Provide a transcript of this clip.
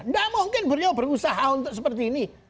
nggak mungkin beliau berusaha untuk seperti ini